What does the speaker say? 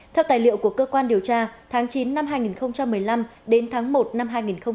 theo tài liệu của cơ quan điều tra tháng chín năm hai nghìn một mươi năm đến tháng một năm hai nghìn hai mươi